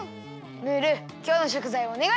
ムールきょうのしょくざいをおねがい！